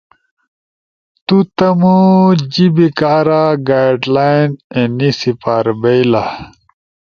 د تُو تم جیبی کارا گائیڈ لائن اینی سپاربئیلا۔